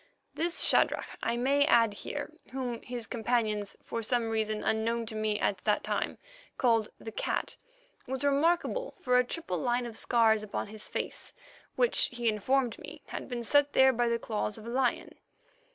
This Shadrach, I may add here, whom his companions, for some reason unknown to me at that time, called the Cat, was remarkable for a triple line of scars upon his face, which, he informed me, had been set there by the claws of a lion.